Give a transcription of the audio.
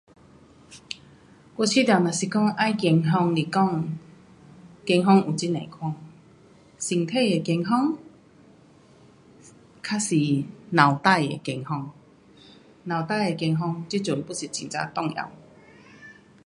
我觉得若是讲要健康来讲，健康又很多款，身体的健康，还是脑袋的健康。脑袋的健康这阵 pun 是很呀重要。